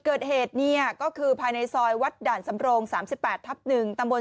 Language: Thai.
เกิดเหตุเนี่ยก็คือภายในซอยวัดด่านสำโรง๓๘ทับ๑ตำบล